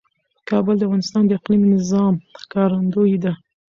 کابل د افغانستان د اقلیمي نظام ښکارندوی ده.